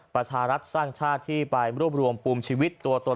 ประชารัฐสร้างชาติที่ไปรวบรวมปุ่มชีวิตตัวตน